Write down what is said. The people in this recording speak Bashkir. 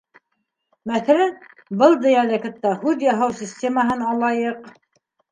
Мәҫәлән, был диалектта һүҙ яһау системаһын алайыҡ.